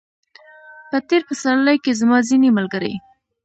په تېر پسرلي کې زما ځینې ملګري